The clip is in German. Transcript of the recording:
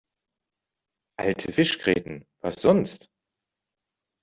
Alte Fischgräten, was sonst?